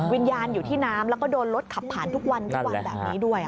วิญญาณอยู่ที่น้ำแล้วก็โดนรถขับผ่านทุกวันทุกวันแบบนี้ด้วย